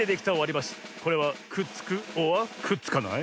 これはくっつくｏｒくっつかない？